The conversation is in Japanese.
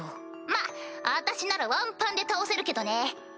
まっ私ならワンパンで倒せるけどね。